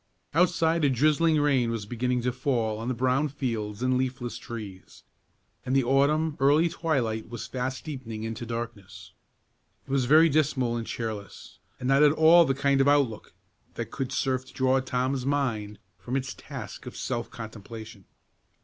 Outside a drizzling rain was beginning to fall on the brown fields and leafless trees, and the autumn early twilight was fast deepening into darkness. It was very dismal and cheerless, and not at all the kind of outlook that could serve to draw Tom's mind from its task of self contemplation.